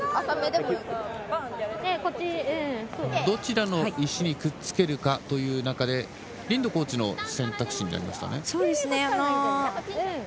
どちらの石にくっつけるかという中でリンドコーチの選択肢になりましたね。